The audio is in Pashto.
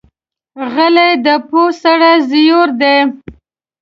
غلی، د پوه سړي زیور دی.